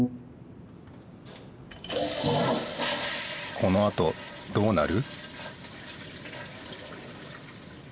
このあとどうなる？